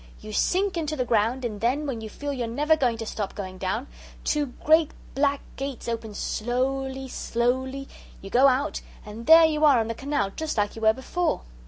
You sink into the ground and then, when you feel you're never going to stop going down, two great black gates open slowly, slowly you go out, and there you are on the canal just like you were before."